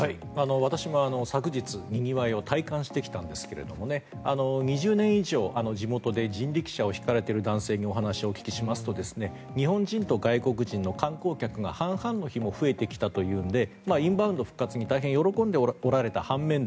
私も昨日にぎわいを体感してきたんですが２０年以上、地元で人力車を引かれている男性にお話をお聞きしますと日本人と外国人の観光客の数が半々の日も増えてきたというのでインバウンド復活に大変喜んでおられた半面